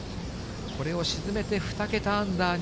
これを沈めて２桁アンダーに。